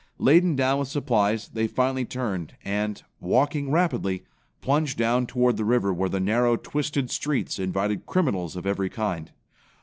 Laden down with supplies, they finally turned and, walking rapidly, plunged down toward the river where the narrow, twisted streets invited criminals of every kind.